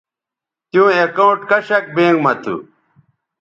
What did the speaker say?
تیوں اکاؤنٹ کشک بینک مہ تھو